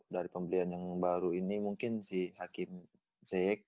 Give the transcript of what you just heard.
dari pembelian yang baru ini mungkin si hakim z